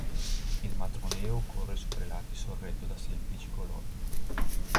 Il matroneo corre su tre lati sorretto da semplici colonne.